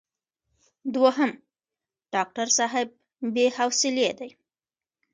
دوهم: ډاکټر صاحب بې حوصلې دی.